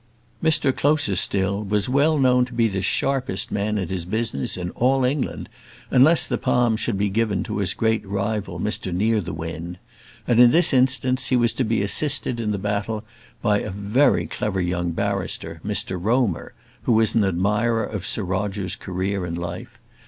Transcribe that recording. Mr Closerstil was well known to be the sharpest man at his business in all England, unless the palm should be given to his great rival Mr Nearthewinde; and in this instance he was to be assisted in the battle by a very clever young barrister, Mr Romer, who was an admirer of Sir Roger's career in life.